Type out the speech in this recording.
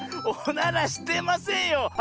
おならしてませんよ。